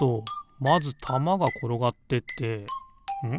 まずたまがころがってってん？